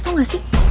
tahu gak sih